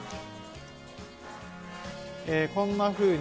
こんなふうに。